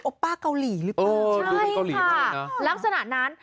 อุปาร์เกาหลีรึเปล่าเออใช่ค่ะแล้วลักษณะนั้น